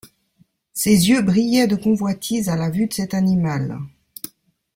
Ses yeux brillaient de convoitise à la vue de cet animal.